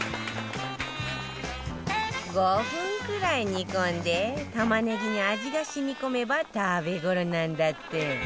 ５分くらい煮込んで玉ねぎに味が染み込めば食べ頃なんだって